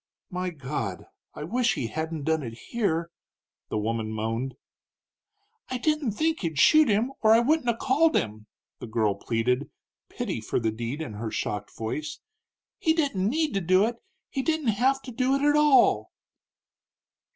"My God! I wish he hadn't done it here!" the woman moaned. "I didn't think he'd shoot him or I wouldn't 'a' called him," the girl pleaded, pity for the deed in her shocked voice. "He didn't need to do it he didn't have to do it, at all!"